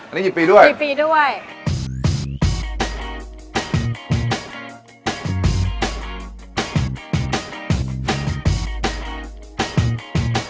อันนี้หยิบปีด้วยหยิบปีด้วย